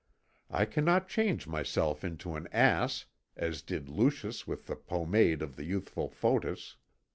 I cannot change myself into an ass as did Lucius with the pomade of the youthful Photis.